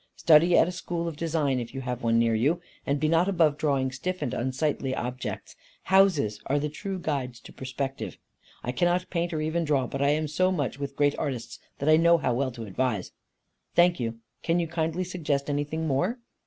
Study at a school of design, if you have one near you; and be not above drawing stiff and unsightly objects. Houses are the true guides to perspective. I cannot paint or even draw; but I am so much with great artists, that I know well how to advise." "Thank you. Can you kindly suggest anything more?"